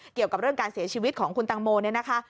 เกี่ยวกับเรื่องการเสียชีวิตของคุณตังโมเนี่ยนะคะ